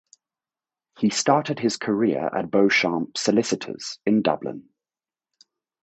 He started his career at Beauchamps Solicitors in Dublin.